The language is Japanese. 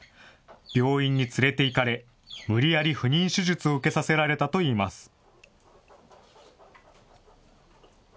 病院に連れていかれ、無理やり不妊手術を受けさせられたといいます。